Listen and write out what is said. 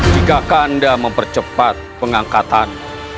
jika kanda mempercepat pengangkatan